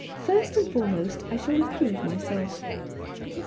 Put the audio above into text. First and foremost I shall improve myself."